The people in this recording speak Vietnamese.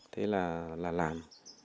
thế là làm